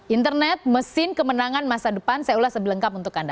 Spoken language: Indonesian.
internet mesin kemenangan masa depan saya ulas sebelengkap untuk anda